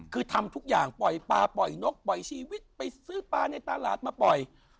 คือทำทุกอย่างปล่อยปลาปล่อยนกปล่อยชีวิตไปซื้อปลาในตลาดมาปล่อย